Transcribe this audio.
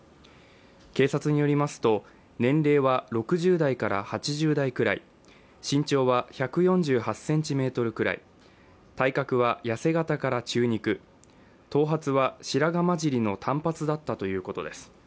警察によりますと、年齢は６０代から８０代くらい、身長は１４８ｃｍくらい、体格は痩せ形から中肉、頭髪は白髪交じりの短髪だったということです。